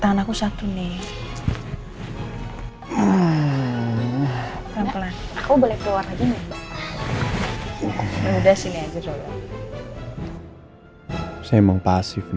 tahan aku satu nih